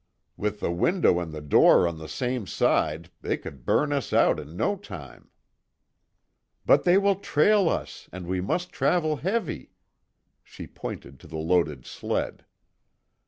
With the window and the door on the same side, they could burn us out in no time." "But they will trail us and we must travel heavy," she pointed to the loaded sled.